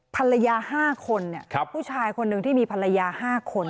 ภรรยา๕คนผู้ชายคนหนึ่งที่มีภรรยา๕คน